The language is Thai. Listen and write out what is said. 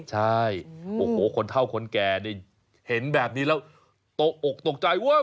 ใช่โอ้โหคนเท่าคนแก่นี่เห็นแบบนี้แล้วตกอกตกใจว่า